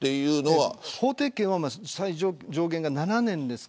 法定刑は上限が７年です。